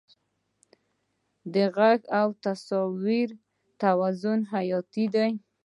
د غږ او تصویر توازن حیاتي دی.